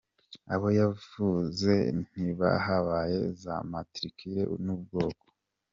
Abo yavuze ntiyabahaye za matricule n’ubwoko.